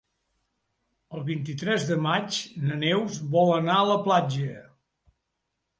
El vint-i-tres de maig na Neus vol anar a la platja.